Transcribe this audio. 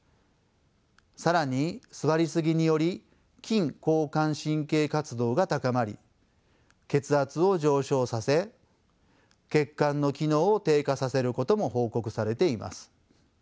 更に座りすぎにより筋交感神経活動が高まり血圧を上昇させ血管の機能を低下させることも報告されています。